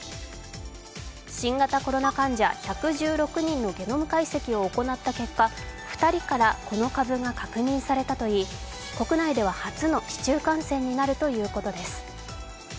新型コロナ患者１１６人のゲノム解析を行った結果、２人からこの株が確認されたといい国内では初の市中感染になるということです。